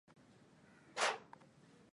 Tumia vijiko vi nne vya mafuta ya alizeti